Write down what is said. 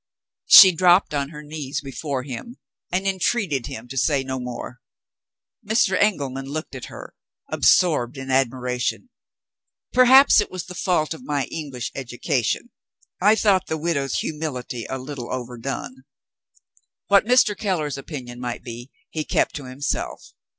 She dropped on her knees before him, and entreated him to say no more. Mr. Engelman looked at her, absorbed in admiration. Perhaps it was the fault of my English education I thought the widow's humility a little overdone. What Mr. Keller's opinion might be, he kept to himself.